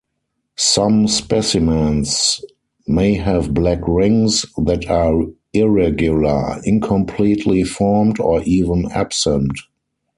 Some specimens may have black rings that are irregular, incompletely formed or even absent.